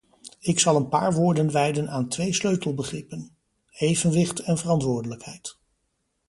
Ik zal een paar woorden wijden aan twee sleutelbegrippen: evenwicht en verantwoordelijkheid.